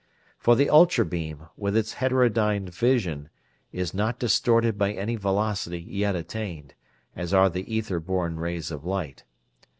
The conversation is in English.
For the ultra beam, with its heterodyned vision, is not distorted by any velocity yet attained, as are the ether borne rays of light.